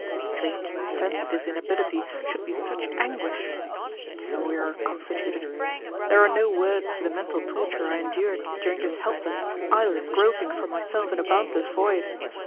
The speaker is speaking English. Strange that the sense of this inability should be such anguish! but so we are constituted. There are no words for the mental torture I endured during this helpless, eyeless groping for myself in a boundless void.